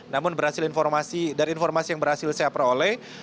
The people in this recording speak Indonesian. namun berhasil informasi dari informasi yang berhasil saya peroleh